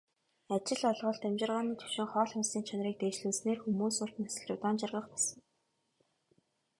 Ажил олголт, амьжиргааны түвшин, хоол хүнсний чанарыг дээшлүүлснээр хүмүүс урт насалж, удаан жаргах болсон.